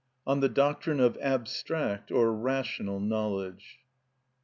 On The Doctrine of Abstract or Rational Knowledge.